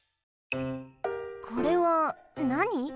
これはなに？